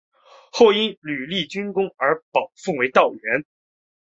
后因屡立军功而被保奏为道员。